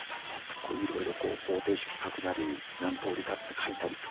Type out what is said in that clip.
こういろいろ方程式書くなり何通りかって書いたりとか書く人